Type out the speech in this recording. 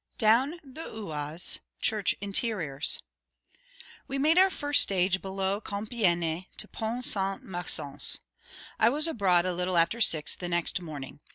DOWN THE OISE: CHURCH INTERIORS WE made our first stage below Compiègne to Pont Sainte Maxence. I was abroad a little after six the next morning.